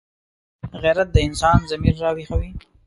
غیرت د انسان ضمیر راویښوي